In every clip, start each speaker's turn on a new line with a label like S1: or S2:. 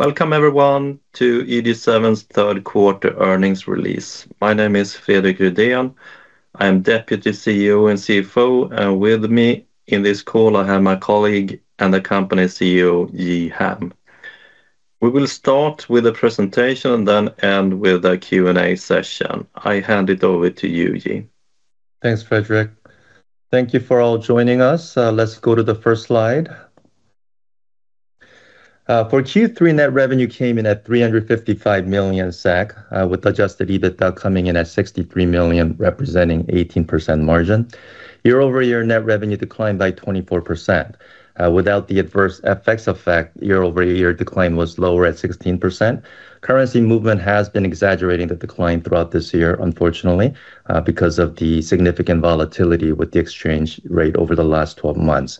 S1: Welcome, everyone, to EG7's third quarter earnings release. My name is Fredrik Rüdén. I am Deputy CEO and CFO, and with me in this call, I have my colleague and the company CEO, Ji Ham. We will start with a presentation and then end with a Q&A session. I hand it over to you, Ji.
S2: Thanks, Fredrik. Thank you for all joining us. Let's go to the first slide. For Q3, net revenue came in at 355 million, with adjusted EBITDA coming in at 63 million, representing an 18% margin. Year-over-year net revenue declined by 24%. Without the adverse effects of FX, year-over-year decline was lower at 16%. Currency movement has been exaggerating the decline throughout this year, unfortunately, because of the significant volatility with the exchange rate over the last 12 months.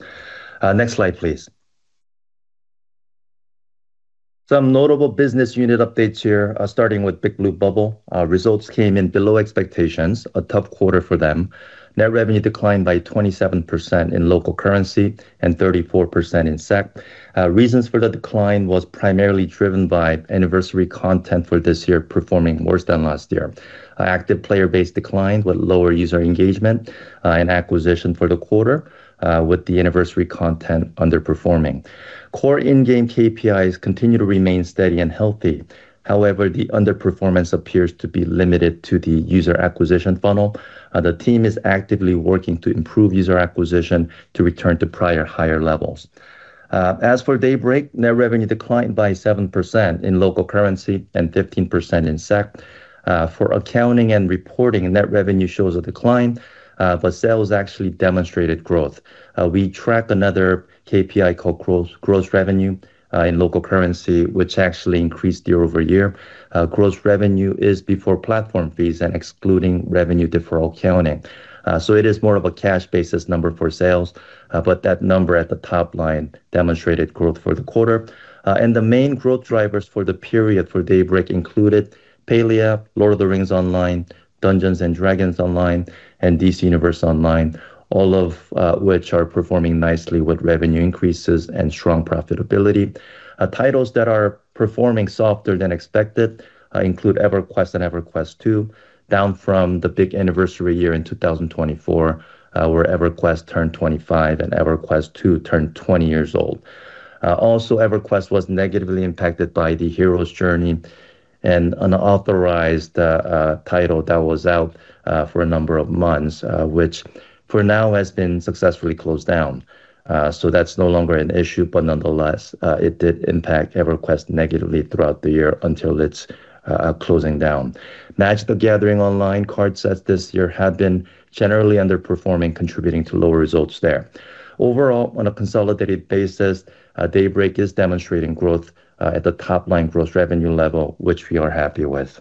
S2: Next slide, please. Some notable business unit updates here, starting with Big Blue Bubble. Results came in below expectations, a tough quarter for them. Net revenue declined by 27% in local currency and 34% in SEK. Reasons for the decline were primarily driven by anniversary content for this year performing worse than last year. Active player base declined with lower user engagement and acquisition for the quarter, with the anniversary content underperforming. Core in-game KPIs continue to remain steady and healthy. However, the underperformance appears to be limited to the user acquisition funnel. The team is actively working to improve user acquisition to return to prior higher levels. As for Daybreak, net revenue declined by 7% in local currency and 15% in SEK. For accounting and reporting, net revenue shows a decline, but sales actually demonstrated growth. We track another KPI called gross revenue in local currency, which actually increased year over year. Gross revenue is before platform fees and excluding revenue deferral accounting. It is more of a cash basis number for sales, but that number at the top line demonstrated growth for the quarter. The main growth drivers for the period for Daybreak included Palia, Lord of the Rings Online, Dungeons and Dragons Online, and DC Universe Online, all of which are performing nicely with revenue increases and strong profitability. Titles that are performing softer than expected include EverQuest and EverQuest 2, down from the big anniversary year in 2024, where EverQuest turned 25 and EverQuest 2 turned 20 years old. Also, EverQuest was negatively impacted by the Hero's Journey, an unauthorized title that was out for a number of months, which for now has been successfully closed down. That is no longer an issue, but nonetheless, it did impact EverQuest negatively throughout the year until its closing down. Magic: The Gathering Online card sets this year have been generally underperforming, contributing to lower results there. Overall, on a consolidated basis, Daybreak is demonstrating growth at the top line gross revenue level, which we are happy with.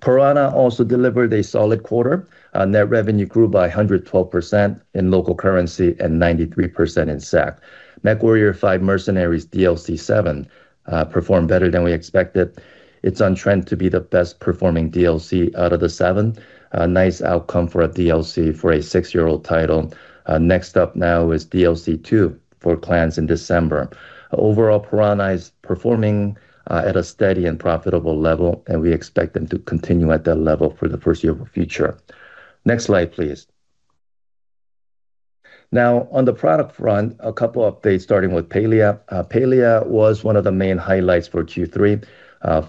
S2: Piranha also delivered a solid quarter. Net revenue grew by 112% in local currency and 93% in SEK. MechWarrior 5: Mercenaries DLC 7 performed better than we expected. It's on trend to be the best performing DLC out of the seven. Nice outcome for a DLC for a six-year-old title. Next up now is DLC 2 for Clans in December. Overall, Piranha is performing at a steady and profitable level, and we expect them to continue at that level for the first year of the future. Next slide, please. Now, on the product front, a couple of updates starting with Palia. Palia was one of the main highlights for Q3.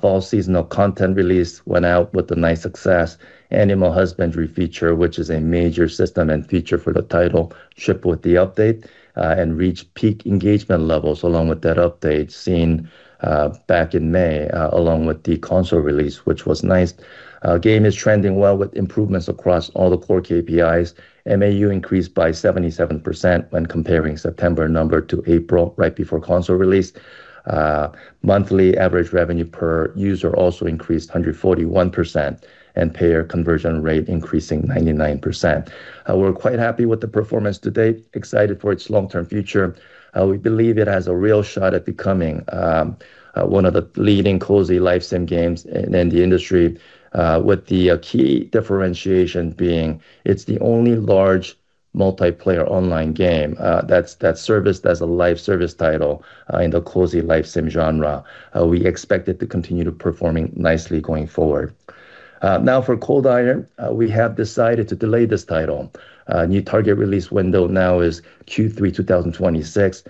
S2: Fall seasonal content release went out with a nice success. Animal husbandry feature, which is a major system and feature for the title, shipped with the update and reached peak engagement levels along with that update seen back in May, along with the console release, which was nice. Game is trending well with improvements across all the core KPIs. MAU increased by 77% when comparing September number to April right before console release. Monthly average revenue per user also increased 141%, and payer conversion rate increasing 99%. We're quite happy with the performance today, excited for its long-term future. We believe it has a real shot at becoming one of the leading cozy live sim games in the industry, with the key differentiation being it's the only large multiplayer online game that's serviced as a live service title in the cozy live sim genre. We expect it to continue to perform nicely going forward. Now, for Cold Iron, we have decided to delay this title. New target release window now is Q3 2026.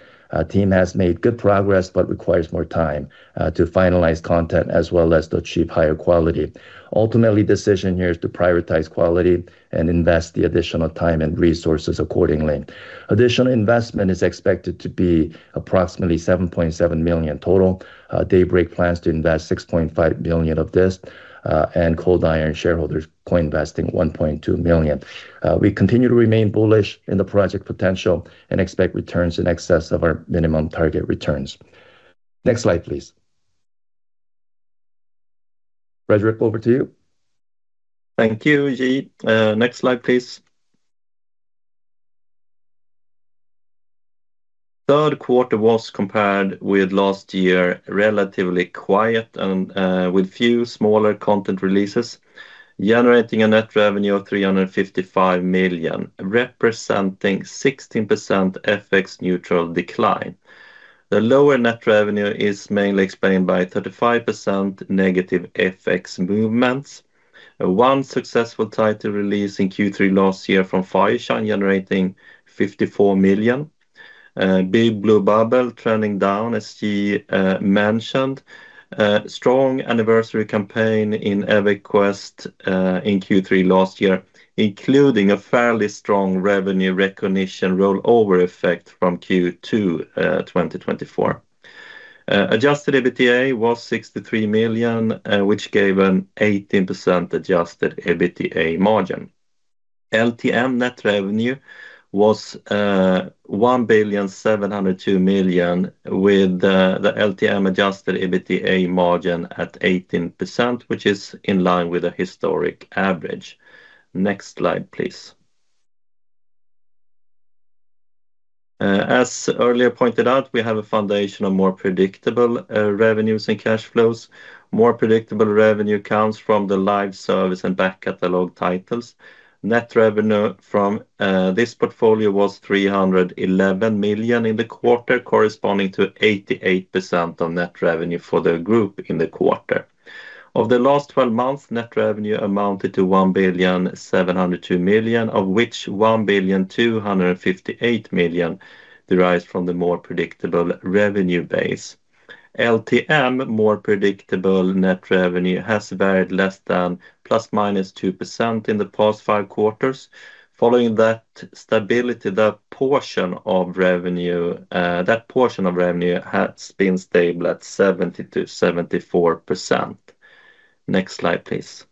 S2: Team has made good progress but requires more time to finalize content as well as to achieve higher quality. Ultimately, the decision here is to prioritize quality and invest the additional time and resources accordingly. Additional investment is expected to be approximately 7.7 million total. Daybreak plans to invest SEK 6.5 million of this, and Cold Iron shareholders co-investing 1.2 million. We continue to remain bullish in the project potential and expect returns in excess of our minimum target returns. Next slide, please. Fredrik, over to you.
S1: Thank you, Ji. Next slide, please. Third quarter was compared with last year relatively quiet and with few smaller content releases, generating a net revenue of 355 million, representing 16% FX neutral decline. The lower net revenue is mainly explained by 35% negative FX movements. One successful title release in Q3 last year from Fireshine generating 54 million. Big Blue Bubble trending down, as Ji mentioned. Strong anniversary campaign in EverQuest in Q3 last year, including a fairly strong revenue recognition rollover effect from Q2 2024. Adjusted EBITDA was 63 million, which gave an 18% adjusted EBITDA margin. LTM net revenue was 1,702 million, with the LTM adjusted EBITDA margin at 18%, which is in line with a historic average. Next slide, please. As earlier pointed out, we have a foundation of more predictable revenues and cash flows. More predictable revenue comes from the live service and back catalog titles. Net revenue from this portfolio was 311 million in the quarter, corresponding to 88% of net revenue for the group in the quarter. Of the last 12 months, net revenue amounted to 1,702 million, of which 1,258 million derived from the more predictable revenue base. LTM more predictable net revenue has varied less than plus minus 2% in the past five quarters. Following that stability, that portion of revenue has been stable at 70-74%. Next slide, please.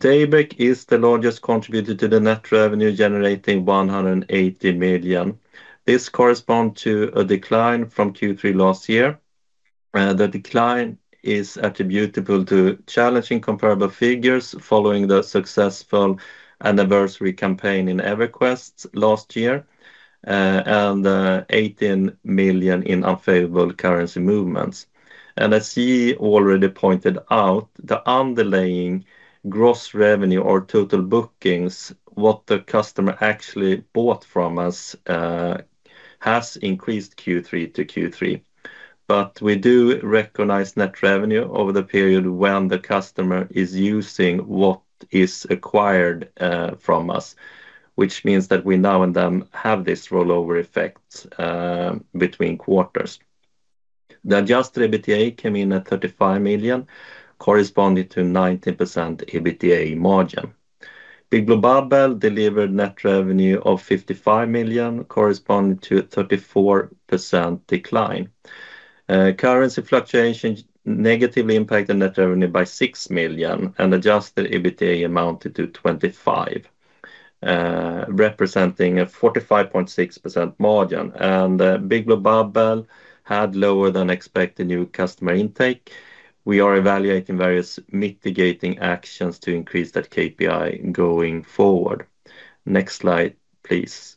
S1: Daybreak is the largest contributor to the net revenue, generating 180 million. This corresponds to a decline from Q3 last year. The decline is attributable to challenging comparable figures following the successful anniversary campaign in EverQuest last year and 18 million in unfavorable currency movements. As Ji already pointed out, the underlying gross revenue or total bookings, what the customer actually bought from us, has increased Q3 to Q3. We do recognize net revenue over the period when the customer is using what is acquired from us, which means that we now and then have this rollover effect between quarters. The adjusted EBITDA came in at 35 million, corresponding to a 19% EBITDA margin. Big Blue Bubble delivered net revenue of 55 million, corresponding to a 34% decline. Currency fluctuation negatively impacted net revenue by 6 million, and adjusted EBITDA amounted to 25 million, representing a 45.6% margin. Big Blue Bubble had lower than expected new customer intake. We are evaluating various mitigating actions to increase that KPI going forward. Next slide, please.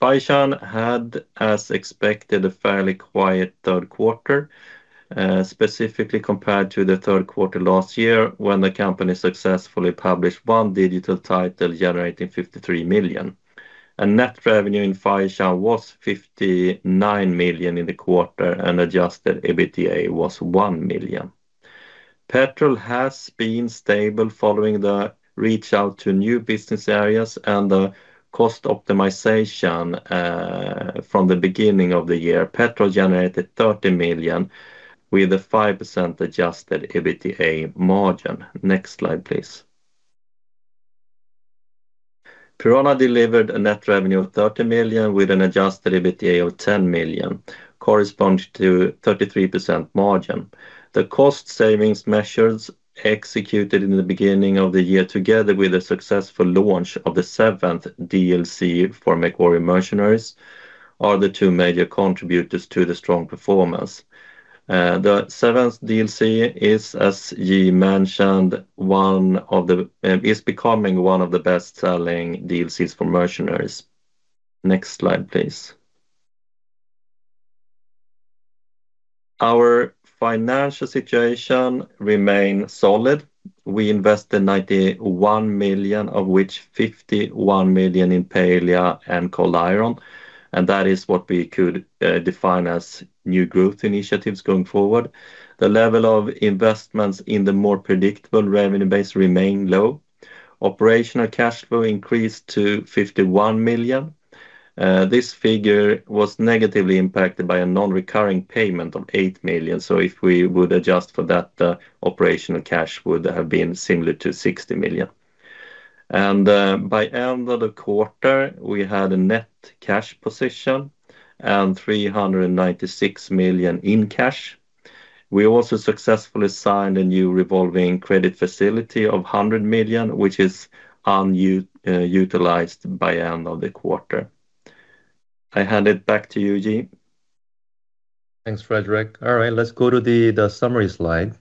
S1: Fireshine had, as expected, a fairly quiet third quarter, specifically compared to the third quarter last year when the company successfully published one digital title generating 53 million. Net revenue in Fireshine was 59 million in the quarter, and adjusted EBITDA was 1 million. Petrol has been stable following the reach out to new business areas and the cost optimization from the beginning of the year. Petrol generated 30 million with a 5% adjusted EBITDA margin. Next slide, please. Piranha delivered a net revenue of 30 million with an adjusted EBITDA of 10 million, corresponding to a 33% margin. The cost savings measures executed in the beginning of the year, together with the successful launch of the seventh DLC for MechWarrior: Mercenaries, are the two major contributors to the strong performance. The seventh DLC is, as Ji mentioned, becoming one of the best-selling DLCs for Mercenaries. Next slide, please. Our financial situation remained solid. We invested 91 million, of which 51 million in Palia and Cold Iron, and that is what we could define as new growth initiatives going forward. The level of investments in the more predictable revenue base remained low. Operational cash flow increased to 51 million. This figure was negatively impacted by a non-recurring payment of 8 million. If we would adjust for that, the operational cash would have been similar to 60 million. By end of the quarter, we had a net cash position and 396 million in cash. We also successfully signed a new revolving credit facility of 100 million, which is unutilized by the end of the quarter. I hand it back to you, Ji.
S2: Thanks, Fredrik. All right, let's go to the summary slide.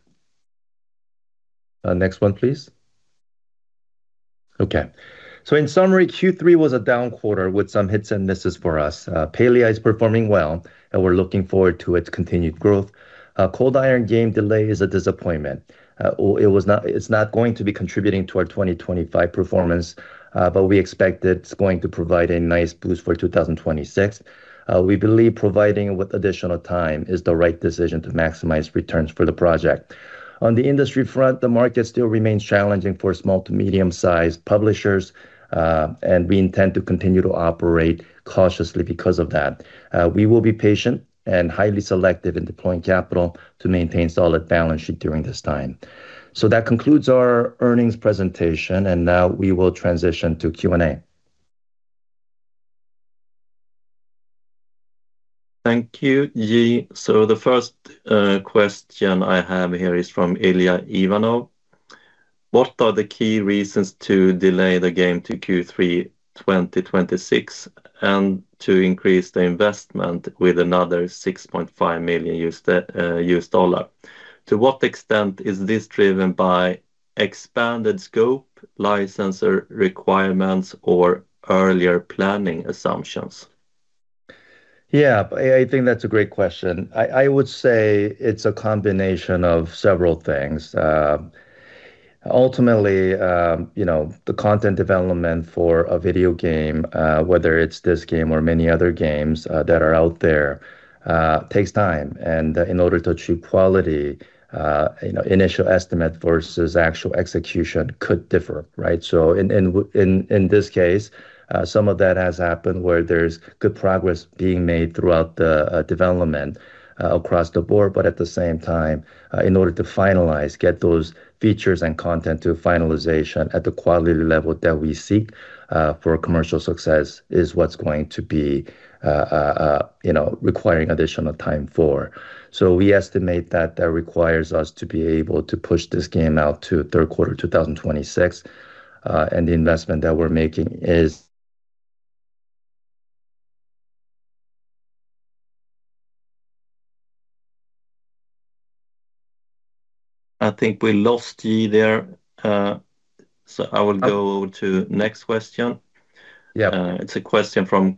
S2: Next one, please. Okay. In summary, Q3 was a down quarter with some hits and misses for us. Palia is performing well, and we're looking forward to its continued growth. Cold Iron game delay is a disappointment. It's not going to be contributing to our 2025 performance, but we expect it's going to provide a nice boost for 2026. We believe providing with additional time is the right decision to maximize returns for the project. On the industry front, the market still remains challenging for small to medium-sized publishers, and we intend to continue to operate cautiously because of that. We will be patient and highly selective in deploying capital to maintain solid balance sheet during this time. That concludes our earnings presentation, and now we will transition to Q&A.
S1: Thank you, Ji. The first question I have here is from Ilya Ivanov. What are the key reasons to delay the game to Q3 2026 and to increase the investment with another $6.5 million? To what extent is this driven by expanded scope, licensor requirements, or earlier planning assumptions?
S2: Yeah, I think that's a great question. I would say it's a combination of several things. Ultimately, the content development for a video game, whether it's this game or many other games that are out there, takes time. In order to achieve quality, initial estimate versus actual execution could differ, right? In this case, some of that has happened where there's good progress being made throughout the development across the board. At the same time, in order to finalize, get those features and content to finalization at the quality level that we seek for commercial success is what's going to be requiring additional time for. We estimate that that requires us to be able to push this game out to third quarter 2026. The investment that we're making is.
S1: I think we lost Ji there, so I will go to the next question. It's a question from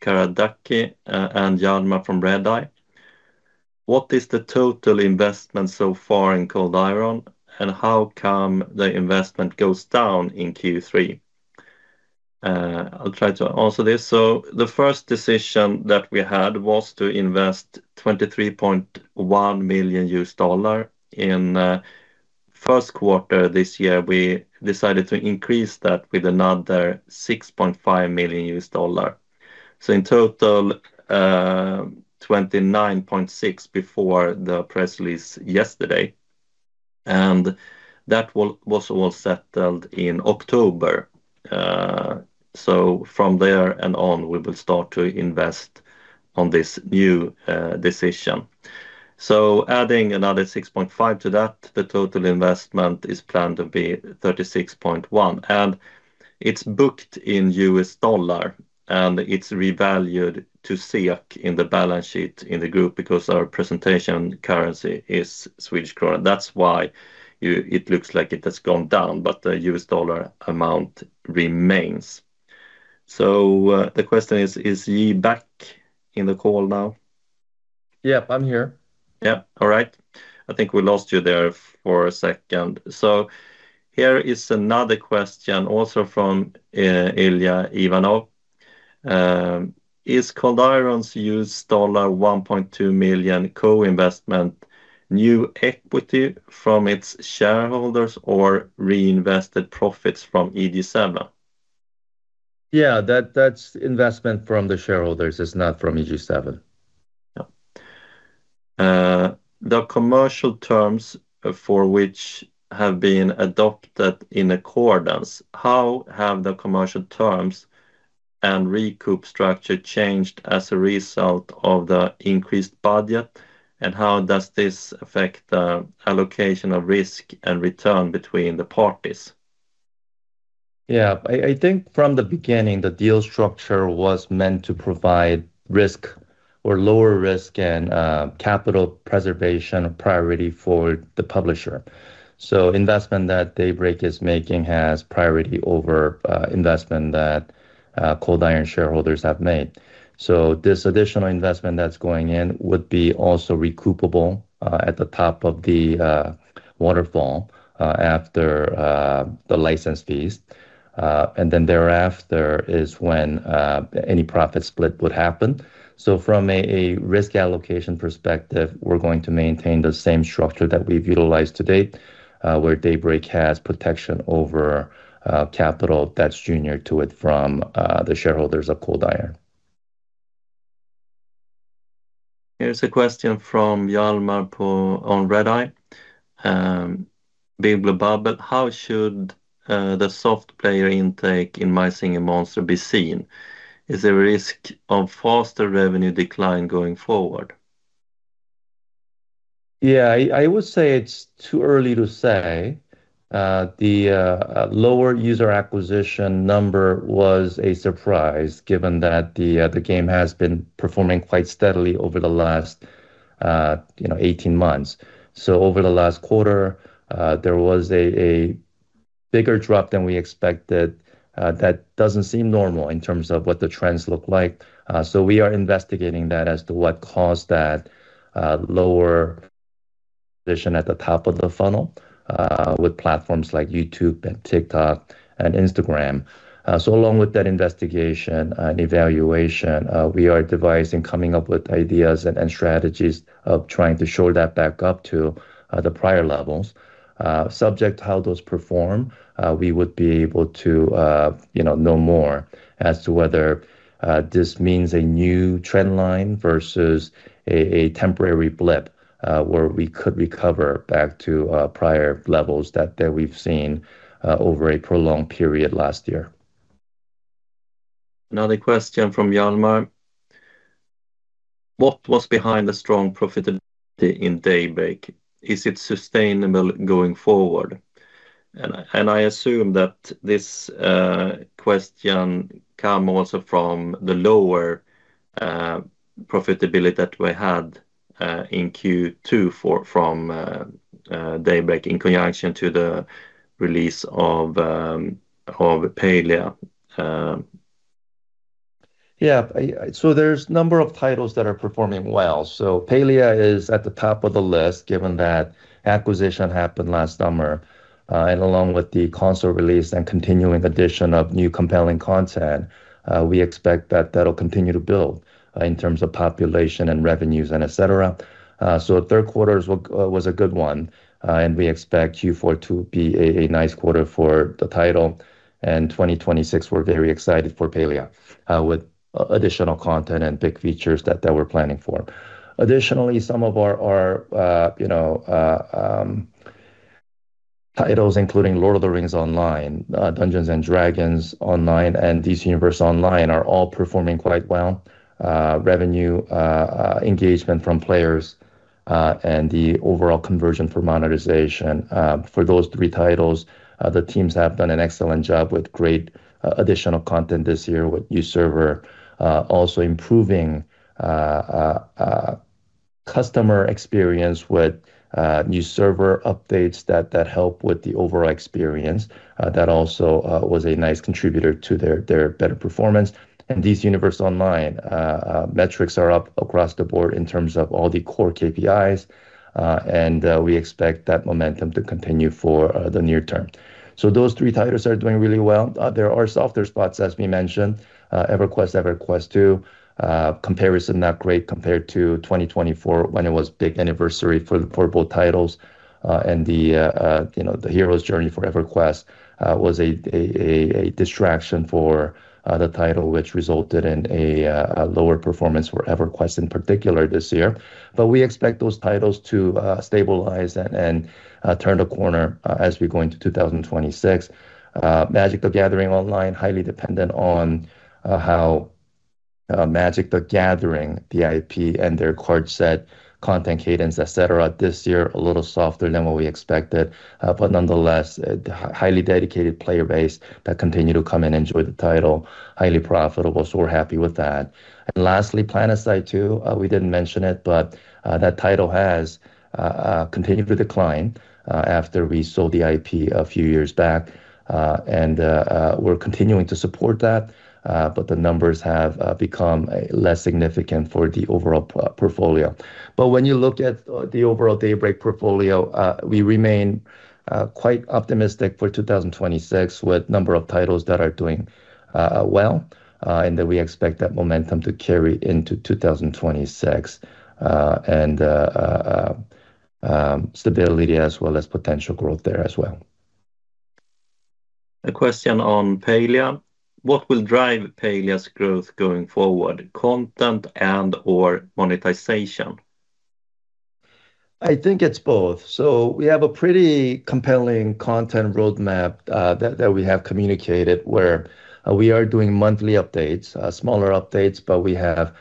S1: Kara Ducky and Yadma from Redeye. What is the total investment so far in Cold Iron, and how come the investment goes down in Q3? I'll try to answer this. The first decision that we had was to invest $23.1 million. In the first quarter this year, we decided to increase that with another $6.5 million. In total, $29.6 million before the press release yesterday. That was all settled in October. From there on, we will start to invest on this new decision. Adding another $6.5 million to that, the total investment is planned to be $36.1 million. It's booked in U.S. dollars, and it's revalued to SEK in the balance sheet in the group because our presentation currency is Swedish krona. That's why it looks like it has gone down, but the U.S. dollar amount remains. Is Ji back in the call now?
S2: Yep, I'm here.
S1: Yeah, all right. I think we lost you there for a second. Here is another question also from Ilya Ivanov. Is Cold Iron's SEK 1.2 million co-investment new equity from its shareholders or reinvested profits from EG7?
S2: Yeah, that's investment from the shareholders, it's not from EG7.
S1: The commercial terms for which have been adopted in accordance, how have the commercial terms and recoup structure changed as a result of the increased budget, and how does this affect the allocation of risk and return between the parties?
S2: Yeah, I think from the beginning, the deal structure was meant to provide risk or lower risk and capital preservation priority for the publisher. So investment that Daybreak is making has priority over investment that Cold Iron shareholders have made. This additional investment that's going in would be also recoupable at the top of the waterfall after the license fees. Thereafter is when any profit split would happen. From a risk allocation perspective, we're going to maintain the same structure that we've utilized to date, where Daybreak has protection over capital that's junior to it from the shareholders of Cold Iron.
S1: Here's a question from Yadma on Redeye. Big Blue Bubble, how should the soft player intake in My Singing Monsters be seen? Is there a risk of faster revenue decline going forward?
S2: Yeah, I would say it's too early to say. The lower user acquisition number was a surprise given that the game has been performing quite steadily over the last 18 months. Over the last quarter, there was a bigger drop than we expected. That doesn't seem normal in terms of what the trends look like. We are investigating that as to what caused that lower position at the top of the funnel with platforms like YouTube and TikTok and Instagram. Along with that investigation and evaluation, we are devising, coming up with ideas and strategies of trying to shore that back up to the prior levels. Subject to how those perform, we would be able to know more as to whether this means a new trend line versus a temporary blip where we could recover back to prior levels that we've seen over a prolonged period last year.
S1: Another question from Yadma. What was behind the strong profitability in Daybreak? Is it sustainable going forward? I assume that this question comes also from the lower profitability that we had in Q2 from Daybreak in conjunction to the release of Palia.
S2: Yeah, so there's a number of titles that are performing well. Palia is at the top of the list given that acquisition happened last summer. Along with the console release and continuing addition of new compelling content, we expect that that'll continue to build in terms of population and revenues and et cetera. Third quarter was a good one, and we expect Q4 to be a nice quarter for the title. In 2026, we're very excited for Palia with additional content and big features that we're planning for. Additionally, some of our titles, including Lord of the Rings Online, Dungeons and Dragons Online, and DC Universe Online are all performing quite well. Revenue, engagement from players, and the overall conversion for monetization for those three titles, the teams have done an excellent job with great additional content this year with new server, also improving customer experience with new server updates that help with the overall experience. That also was a nice contributor to their better performance. DC Universe Online metrics are up across the board in terms of all the core KPIs, and we expect that momentum to continue for the near term. Those three titles are doing really well. There are softer spots, as we mentioned, EverQuest, EverQuest 2. Comparison not great compared to 2024 when it was big anniversary for both titles. The hero's journey for EverQuest was a distraction for the title, which resulted in a lower performance for EverQuest in particular this year. We expect those titles to stabilize and turn the corner as we go into 2026. Magic: The Gathering Online, highly dependent on how Magic: The Gathering, the IP and their card set, content cadence, et cetera, this year, a little softer than what we expected. Nonetheless, a highly dedicated player base that continued to come and enjoy the title, highly profitable, so we're happy with that. Lastly, PlanetSide 2, we did not mention it, but that title has continued to decline after we sold the IP a few years back. We are continuing to support that, but the numbers have become less significant for the overall portfolio. When you look at the overall Daybreak portfolio, we remain quite optimistic for 2026 with a number of titles that are doing well and that we expect that momentum to carry into 2026 and stability as well as potential growth there as well.
S1: A question on Palia. What will drive Palia's growth going forward? Content and/or monetization?
S2: I think it's both. We have a pretty compelling content roadmap that we have communicated where we are doing monthly updates, smaller updates, but we have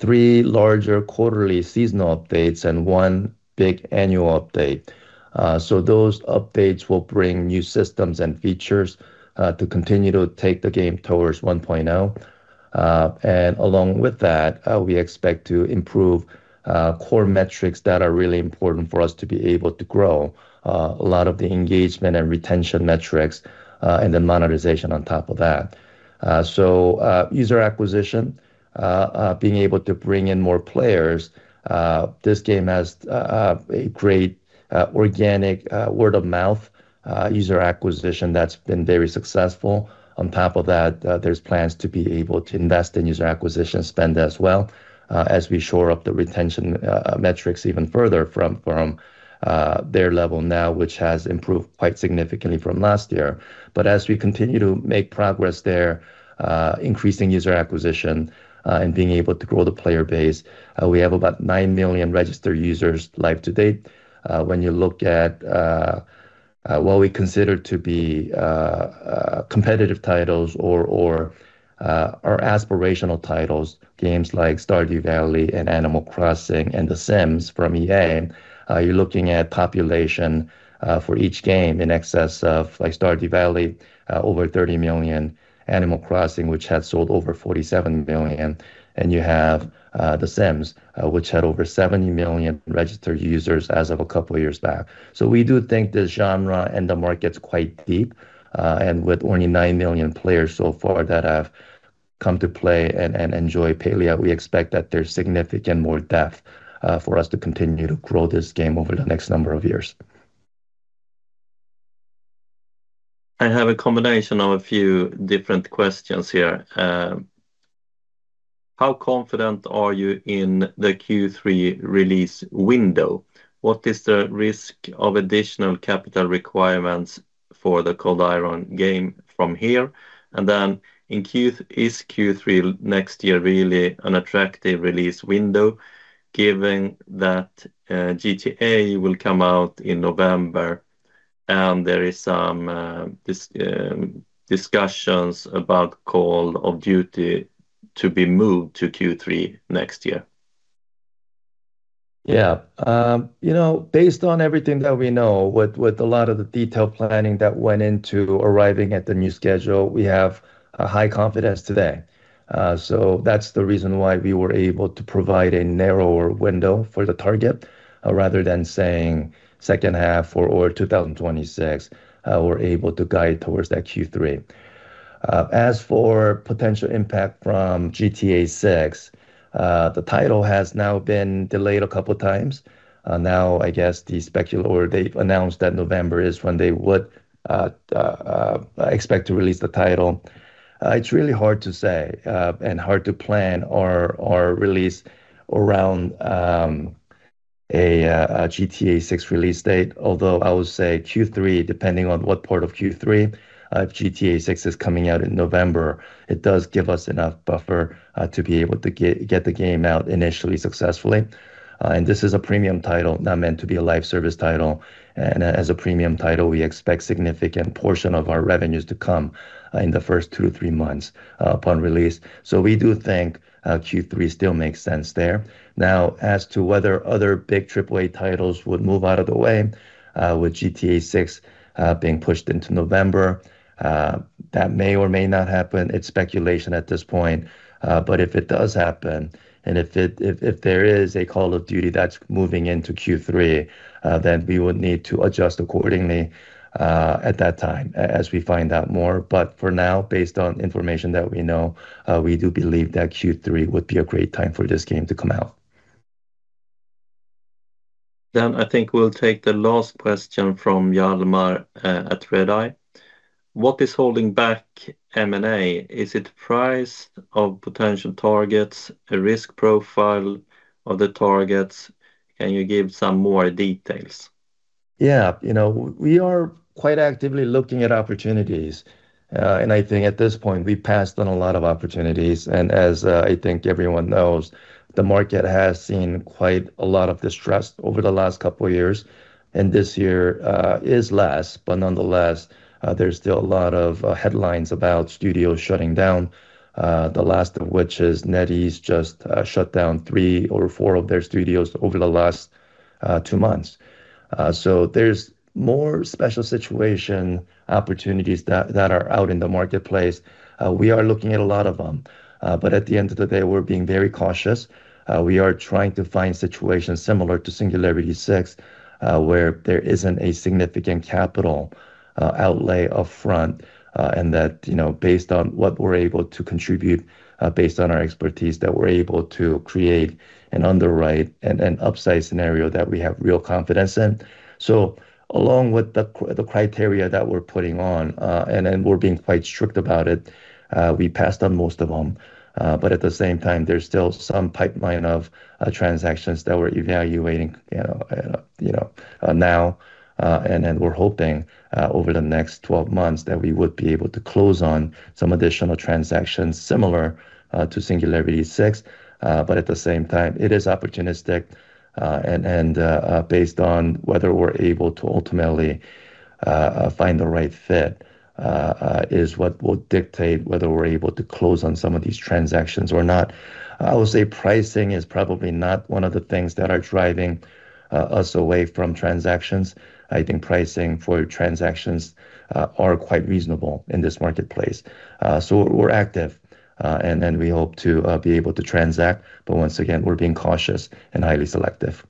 S2: three larger quarterly seasonal updates and one big annual update. Those updates will bring new systems and features to continue to take the game towards 1.0. Along with that, we expect to improve core metrics that are really important for us to be able to grow a lot of the engagement and retention metrics and the monetization on top of that. User acquisition, being able to bring in more players. This game has a great organic word of mouth user acquisition that's been very successful. On top of that, there's plans to be able to invest in user acquisition spend as well as we shore up the retention metrics even further from their level now, which has improved quite significantly from last year. As we continue to make progress there, increasing user acquisition and being able to grow the player base, we have about 9 million registered users live to date. When you look at what we consider to be competitive titles or aspirational titles, games like Stardew Valley and Animal Crossing and The Sims from EA, you're looking at population for each game in excess of, like Stardew Valley, over 30 million, Animal Crossing, which had sold over 47 million, and you have The Sims, which had over 70 million registered users as of a couple of years back. We do think the genre and the market's quite deep. With only 9 million players so far that have come to play and enjoy Palia, we expect that there's significant more depth for us to continue to grow this game over the next number of years.
S1: I have a combination of a few different questions here. How confident are you in the Q3 release window? What is the risk of additional capital requirements for the Cold Iron game from here? Is Q3 next year really an attractive release window given that GTA will come out in November and there are some discussions about Call of Duty to be moved to Q3 next year?
S2: Yeah, you know, based on everything that we know, with a lot of the detailed planning that went into arriving at the new schedule, we have high confidence today. That's the reason why we were able to provide a narrower window for the target rather than saying second half or 2026, we're able to guide towards that Q3. As for potential impact from GTA 6, the title has now been delayed a couple of times. Now, I guess the speculator, they've announced that November is when they would expect to release the title. It's really hard to say and hard to plan our release around a GTA 6 release date, although I would say Q3, depending on what part of Q3, if GTA 6 is coming out in November, it does give us enough buffer to be able to get the game out initially successfully. This is a premium title, not meant to be a live service title. As a premium title, we expect a significant portion of our revenues to come in the first two to three months upon release. We do think Q3 still makes sense there. Now, as to whether other big AAA titles would move out of the way with GTA 6 being pushed into November, that may or may not happen. It is speculation at this point. If it does happen and if there is a Call of Duty that is moving into Q3, then we would need to adjust accordingly at that time as we find out more. For now, based on information that we know, we do believe that Q3 would be a great time for this game to come out.
S1: I think we'll take the last question from Yadma at Redeye. What is holding back M&A? Is it price of potential targets, a risk profile of the targets? Can you give some more details?
S2: Yeah, you know, we are quite actively looking at opportunities. I think at this point, we passed on a lot of opportunities. I think everyone knows the market has seen quite a lot of distress over the last couple of years. This year is less, but nonetheless, there's still a lot of headlines about studios shutting down, the last of which is NetEase just shut down three or four of their studios over the last two months. There are more special situation opportunities that are out in the marketplace. We are looking at a lot of them. At the end of the day, we're being very cautious. We are trying to find situations similar to Singularity 6 where there isn't a significant capital outlay upfront and that, you know, based on what we're able to contribute, based on our expertise, that we're able to create an underwrite and upside scenario that we have real confidence in. Along with the criteria that we're putting on, and then we're being quite strict about it, we passed on most of them. At the same time, there's still some pipeline of transactions that we're evaluating now. We are hoping over the next 12 months that we would be able to close on some additional transactions similar to Singularity 6. At the same time, it is opportunistic. Based on whether we're able to ultimately find the right fit is what will dictate whether we're able to close on some of these transactions or not. I would say pricing is probably not one of the things that are driving us away from transactions. I think pricing for transactions are quite reasonable in this marketplace. We are active, and then we hope to be able to transact. Once again, we are being cautious and highly selective.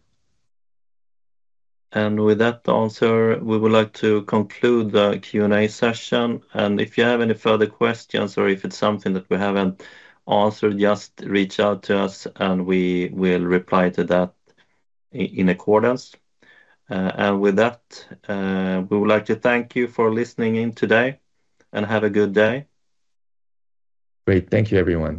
S1: With that, the answer, we would like to conclude the Q&A session. If you have any further questions or if it is something that we have not answered, just reach out to us and we will reply to that in accordance. With that, we would like to thank you for listening in today and have a good day.
S2: Great. Thank you, everyone.